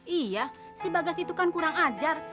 iya si bagas itu kan kurang ajar